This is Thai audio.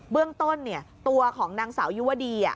เบื้องต้นตัวของนางสาวยุวดี